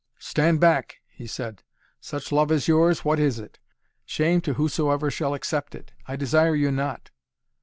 "Stand back!" he said. "Such love as yours what is it? Shame to whosoever shall accept it! I desire you not."